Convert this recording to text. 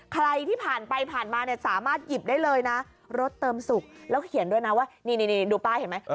ใครที่ผ่านไปผ่านมาเนี่ยสามารถหยิบได้เลยนะรถเติมสุกแล้วเขียนด้วยนะว่านี่ดูป้ายเห็นไหม